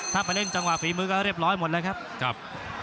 ถ้าไปเล่นจังหวะฝีมือก็เรียบร้อยหมดแล้วครับ